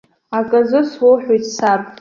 Аказы суҳәоит, саб.